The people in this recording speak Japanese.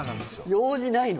用事ないの？